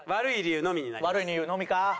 悪い理由のみか！